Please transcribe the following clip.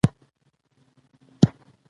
ددې سیمې اوسیدونکی وو.